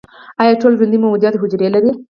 ایا ټول ژوندي موجودات حجرې لري؟